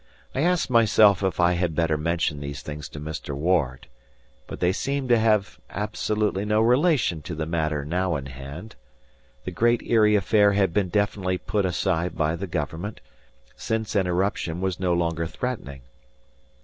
I asked myself if I had better mention these things to Mr. Ward. But they seemed to have absolutely no relation to the matter now in hand. The Great Eyrie affair had been definitely put aside by the government, since an eruption was no longer threatening.